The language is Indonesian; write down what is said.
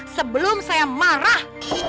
sebelum saya marah